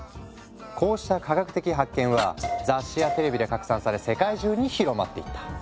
こうした科学的発見は雑誌やテレビで拡散され世界中に広まっていった。